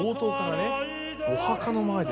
「私のお墓の前で」